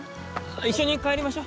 一緒に帰りましょ。